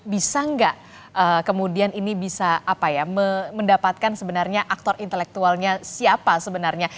bisa nggak kemudian ini bisa mendapatkan sebenarnya aktor intelektualnya siapa sebenarnya